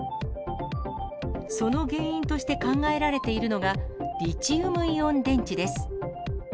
その原因として考えられているのが、リチウムイオン電池です。